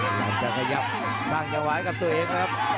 อังกฤษจะขยับสร้างจังหวายกับตัวเองครับ